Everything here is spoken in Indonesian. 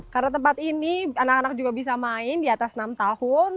karena tempat ini anak anak juga bisa bermain di atas enam tahun